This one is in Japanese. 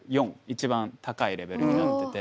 一番高いレベルになってて。